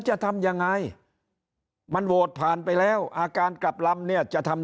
จะทำยังไงมันโหวตผ่านไปแล้วอาการกลับลำเนี่ยจะทำ